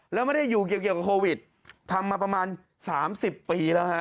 แล้วไม่ได้อยู่เกี่ยวเกี่ยวกับโควิดทำมาประมาณสามสิบปีแล้วค่ะ